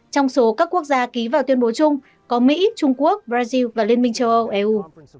trong số các quốc gia ký vào tuyên bố chung có mỹ trung quốc brazil và liên minh châu âu eu